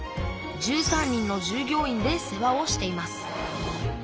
１３人の従業員で世話をしています。